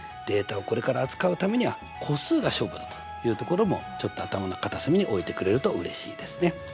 データをこれから扱うためには個数が勝負だというところもちょっと頭の片隅に置いてくれるとうれしいですね。